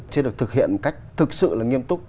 chưa được thực hiện cách thực sự là nghiêm túc